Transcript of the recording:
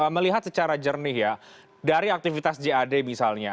melihat secara jernih ya dari aktivitas jad misalnya